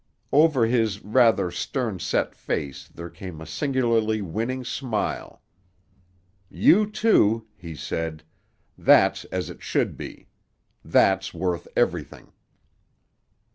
Over his rather stern set face there came a singularly winning smile. "You two—" he said: "that's as it should be. That's worth everything."